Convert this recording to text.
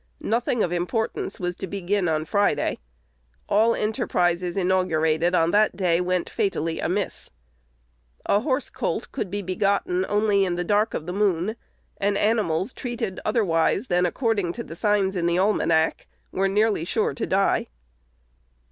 Nothing of importance was to be begun on Friday. All enterprises inaugurated on that day went fatally amiss. A horse colt could be begotten only "in the dark of the moon," and animals treated otherwise than "according to the signs in the almanac" were nearly sure to die.